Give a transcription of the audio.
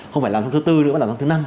không phải là lần thứ bốn nữa là lần thứ năm